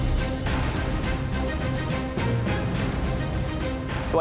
กับผมพุพทนันพิสิธิ์มหันต์นะครับ